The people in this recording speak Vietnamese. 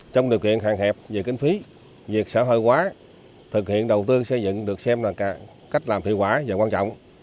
trong điều kiện hạn hẹp về kinh phí việc xã hội hóa thực hiện đầu tư xây dựng được xem là cách làm thiệu quả và quan trọng